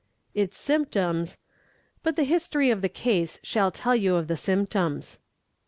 Its symptoms But the history of the case shall tell you of the symptoms.